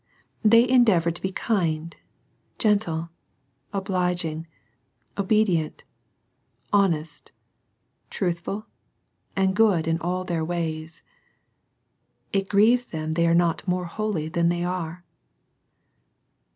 They en deavour to be kind, gentle, obliging, obedient, honesty truthful, and good in all their ways. CHILDREN WALKING IN TRUTH. 3 1 It grieves them they are not more holy than they are.